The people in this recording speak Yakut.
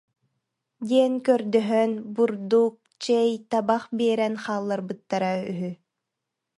диэн көрдөһөн бурдук, чэй, табах биэрэн хаалларбыттара үһү